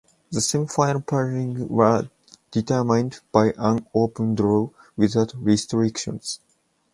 The semi final pairings were determined by an open draw without restrictions.